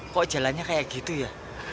kok jalannya kayak gitu ya